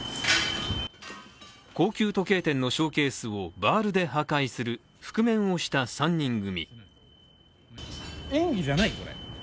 高級時計店のショーケースをバールで破壊する覆面をした３人組。